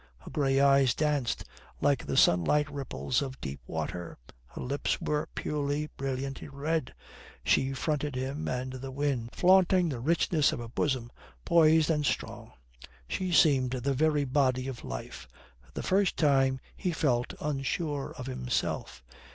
Her grey eyes danced like the sunlight ripples of deep water. Her lips were purely, brilliantly red. She fronted him and the wind, flaunting the richness of her bosom, poised and strong. She seemed the very body of life. For the first time he felt unsure of himself.